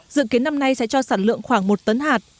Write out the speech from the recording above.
dự kiến năm nay sẽ cho sản lượng khoảng một tấn hạt